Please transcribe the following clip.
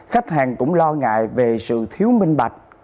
khách hàng cũng lo ngại về sự thiếu minh bạch